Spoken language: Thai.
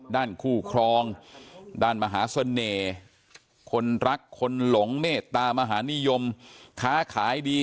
ด้านคู่ครองด้านมหาเสน่ห์คนรักคนหลงเมตตามหานิยมค้าขายดี